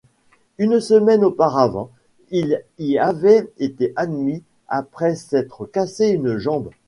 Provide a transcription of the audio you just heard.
Une semaine auparavant, il y avait été admis après s'être cassé une jambe.